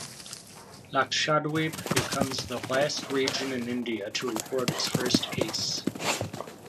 Lakshadweep becomes the last region in India to report its first case.